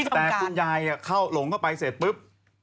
แต่คุณยายเข้าหลงเข้าไปเสร็จปุ๊บ